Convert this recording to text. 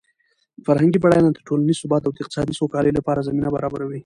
فرهنګي بډاینه د ټولنیز ثبات او د اقتصادي سوکالۍ لپاره زمینه برابروي.